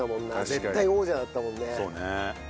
絶対王者だったもんね。